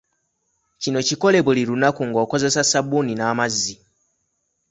Kino kikole buli lunaku ng’okozesa ssabbuuni n’amazzi.